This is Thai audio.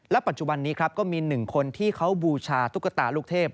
และปัจจุบันนี้ก็มีหนึ่งคนที่เขาบูชาตุ๊กตาลูกเทพ